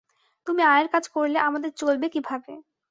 তুমি আয়ার কাজ করলে আমাদের চলবে কিভাবে?